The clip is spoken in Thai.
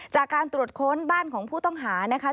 จากการตรวจค้นบ้านของผู้ต้องหานะคะ